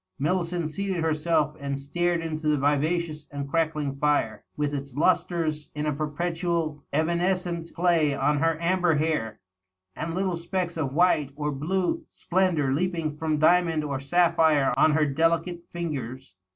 Millicent seated herself, and stared into the vivacious and crackling fire, with its lustres in a perpetual eva nescent play on her amber hair, and little specks of white or blue splen dor leaping from diamond or sapphire on her delicate fingers.